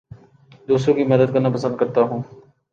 دوسروں کی مدد کرنا پسند کرتا ہوں